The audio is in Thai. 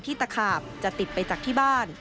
ตะขาบจะติดไปจากที่บ้าน